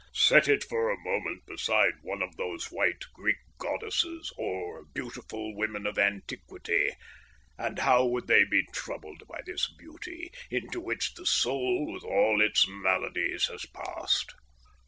Set it for a moment beside one of those white Greek goddesses or beautiful women of antiquity, and how would they be troubled by this beauty, into which the soul with all its maladies has passed.